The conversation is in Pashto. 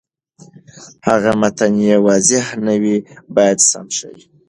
هغه متن چې واضح نه وي، باید سم شي.